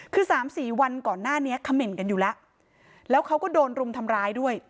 คือสามสี่วันก่อนหน้านี้เขม่นกันอยู่แล้วแล้วเขาก็โดนรุมทำร้ายด้วย